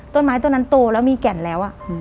ต้นไม้ต้นนั้นโตแล้วมีแก่นแล้ว